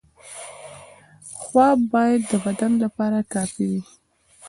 خواب باید د بدن لپاره کافي وي.